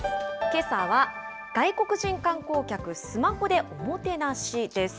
けさは、外国人観光客、スマホでおもてなしです。